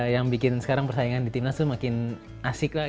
yang bikin sekarang persaingan di timnas tuh makin asik lah